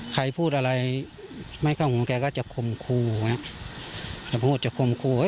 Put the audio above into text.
ใครพูดอะไรไม่เข้าหัวแกก็จะคมคู่